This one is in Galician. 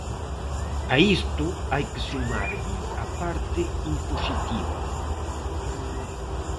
A isto hai que sumarlle a parte impositiva.